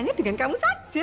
menikahnya dengan kamu saja